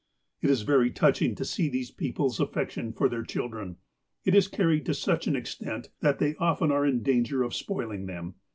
It is very touching to see these people's affection for their children. It is carried to such an extent that they often are in danger of spoiling them.